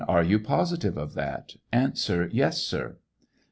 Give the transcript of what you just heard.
Are you positive of that ? A. Yes, sir.